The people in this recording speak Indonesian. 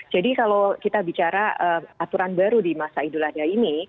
jadi kalau kita bicara aturan baru di masa idul adha ini